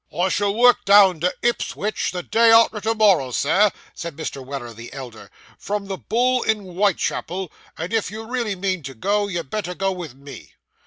'I shall work down to Ipswich the day arter to morrow, Sir,' said Mr. Weller the elder, 'from the Bull in Whitechapel; and if you really mean to go, you'd better go with me.